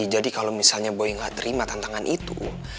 jadi kalau misalnya boy gak terima tantangan itu